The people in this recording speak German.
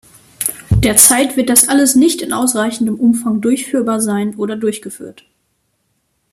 Derzeit wird das alles nicht in ausreichendem Umfang durchführbar sein oder durchgeführt.